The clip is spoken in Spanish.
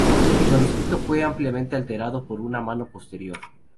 El manuscrito fue ampliamente alterado por una mano posterior.